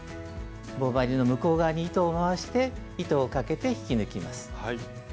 棒針の向こう側に糸を回して糸をかけて引き抜きます。